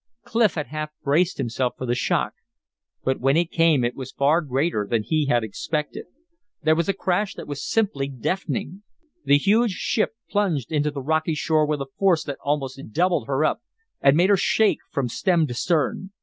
Clif had half braced himself for the shock; but when it came it was far greater than he had expected. There was a crash that was simply deafening. The huge ship plunged into the rocky shore with a force that almost doubled her up, and made her shake from stem to stern.